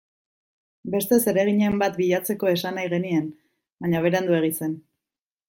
Beste zereginen bat bilatzeko esan nahi genien, baina Beranduegi zen.